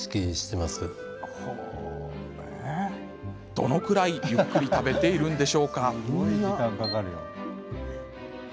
どのくらいゆっくり食べているんでしょうか？